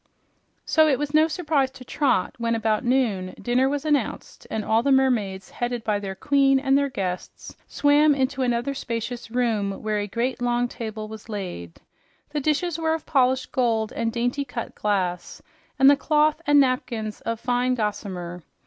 So it was no surprise to Trot when, about noon, dinner was announced and all the mermaids, headed by their queen and their guests, swam into another spacious room where a great, long table was laid. The dishes were of polished gold and dainty cut glass, and the cloth and napkins of fine gossamer.